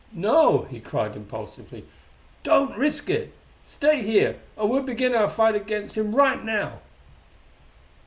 "No!" he cried impulsively. "Don't risk it! Stay here, and we'll begin our fight against him right now!"